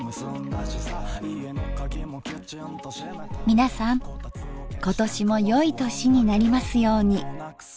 皆さん今年も良い年になりますように。